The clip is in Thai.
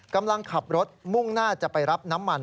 กำลังขับรถมุ่งหน้าจะไปรับน้ำมัน